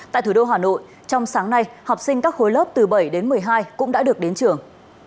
tại thủ đô hà nội trong sáng nay học sinh các khối lớp từ bảy đến một mươi hai cũng đã được đến trường